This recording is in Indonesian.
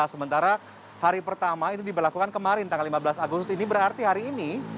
sementara hari pertama itu diberlakukan kemarin tanggal lima belas agustus ini berarti hari ini